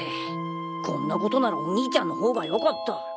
こんなことならお兄ちゃんの方がよかった。